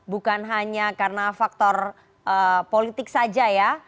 bukan hanya karena faktor politik saja ya